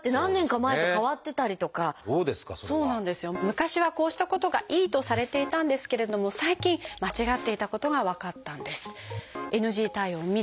昔はこうしたことがいいとされていたんですけれども最近間違っていたことが分かったんです。